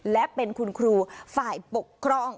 และเป็นคุณครูฝ่ายปกครอง